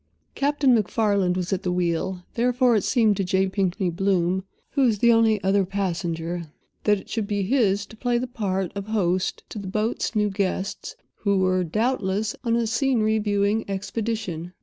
Captain MacFarland was at the wheel; therefore it seemed to J. Pinkney Bloom, who was the only other passenger, that it should be his to play the part of host to the boat's new guests, who were, doubtless, on a scenery viewing expedition.